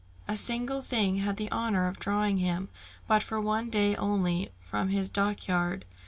A single thing had the honour of drawing him, but for one day only, from his dockyard.